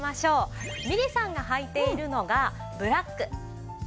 みれさんがはいているのがブラック。